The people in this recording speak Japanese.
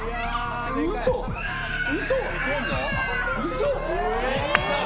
嘘！